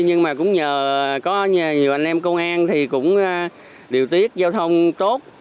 nhưng mà cũng nhờ có nhiều anh em công an thì cũng điều tiết giao thông tốt